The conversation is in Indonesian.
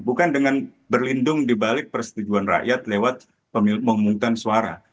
bukan dengan berlindung dibalik persetujuan rakyat lewat pemungutan suara